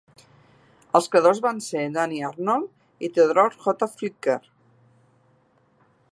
Els creadors van ser Danny Arnold i Theodore J. Flicker.